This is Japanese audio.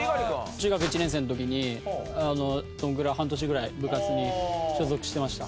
中学１年生の時にどのぐらい半年ぐらい部活に所属してました。